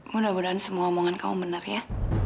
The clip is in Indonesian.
mudah mudahan semua omongan kamu benar ya